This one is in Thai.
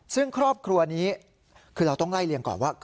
ซึ่งครอบครัวนี้คือเราต้องไล่เลี่ยงก่อนว่า